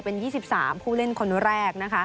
เป็น๒๓ผู้เล่นคนแรก